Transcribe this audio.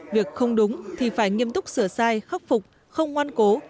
việc không đúng thì phải nghiêm túc sửa sai khắc phục không ngoan cố